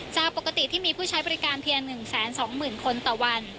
จากปกติที่มีผู้ใช้บริการเพียง๑๒๐๐๐คนต่อวัน